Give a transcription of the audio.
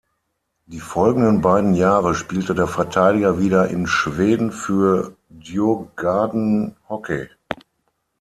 Die folgenden beiden Jahre spielte der Verteidiger wieder in Schweden, für Djurgården Hockey.